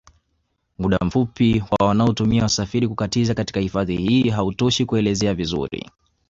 Muda mfupi wa wanaotumia wasafiri kukatiza katika hifadhi hii hautoshi kuelezea vizuri